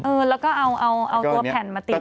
เออแล้วก็เอาตัวแผ่นมาติด